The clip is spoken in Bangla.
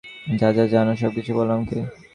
যা যা জানো, সবকিছু বলো আমাকে।